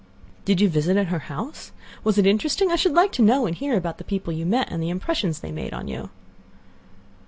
"Did you visit at her house? Was it interesting? I should like to know and hear about the people you met, and the impressions they made on you."